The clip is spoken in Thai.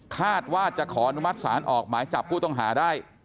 คาดว่าจะขออนุมัติศาลออกหมายจับผู้ต้องหาได้